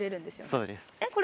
そうです。